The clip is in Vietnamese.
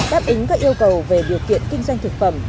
đáp ứng các yêu cầu về điều kiện kinh doanh thực phẩm